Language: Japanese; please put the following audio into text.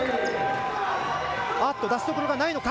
あっと、出すところがないのか。